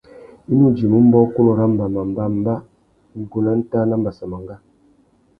I nu djïmú mbōkunú râ mbama, mbămbá, igúh nà ntāh na mbassamangá.